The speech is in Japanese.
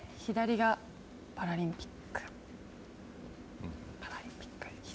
左がパラリンピック。